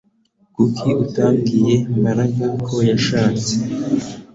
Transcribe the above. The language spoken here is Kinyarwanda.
Kuki utabwiye Mbaraga ko washatse